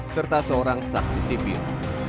serta seorang saksi sipil